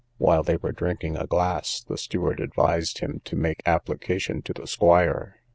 While they were drinking a glass, the steward advised him to make application to the squire.